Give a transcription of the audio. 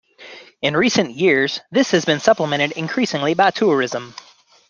In recent years this has been supplemented increasingly by tourism.